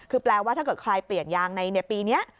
คือแปลว่าถ้าเกิดใครเปลี่ยนยางในปีนี้